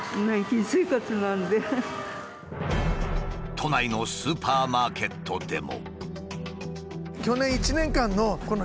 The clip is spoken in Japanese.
都内のスーパーマーケットでも。